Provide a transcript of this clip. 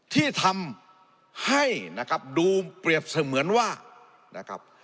ที่ทำให้นะครับดูเปรียบเสมือนว่านะครับ